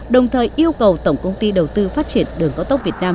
đồng thời yêu cầu tổng công ty đầu tư phát triển đường cao tốc việt nam